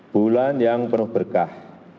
bulan yang penuh berkah